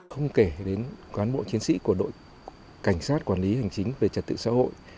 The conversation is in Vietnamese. không kể đến cán bộ chiến sĩ của đội cảnh sát quản lý hành chính về trật tự xã hội